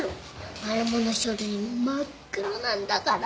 マルモの書類も真っ黒なんだから。